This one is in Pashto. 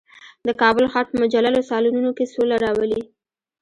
د کابل ښار په مجللو سالونونو کې سوله راولي.